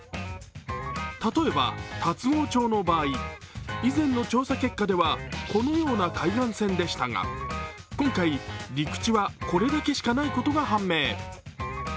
例えば、龍郷町の場合、以前の調査結果ではこのような海岸線でしたが、今回、陸地はこれだけしかないことが判明。